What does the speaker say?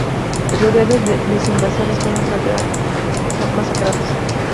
Rodeados los invasores fueron masacrados.